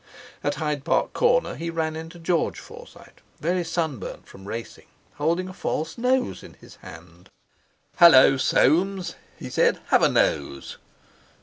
At Hyde Park Corner he ran into George Forsyte, very sunburnt from racing, holding a false nose in his hand. "Hallo, Soames!" he said, "have a nose!"